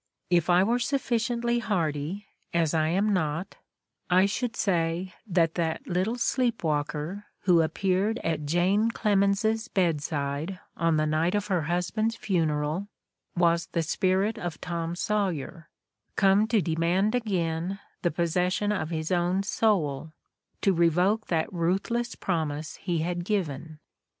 If I were sufficiently hardy, as I am not, I should say that that little sleep walker who appeared at Jane Clemens 's bedside on the night of her husband's funeral was the spirit of Tom Sawyer, come to demand again the possession of his own soul, to revoke that ruthless promise he had given.